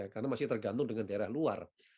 karena masih tergantung dengan daerah luar